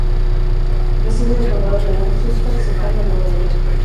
Reside en el condado de Westchester, cercano a Nueva York.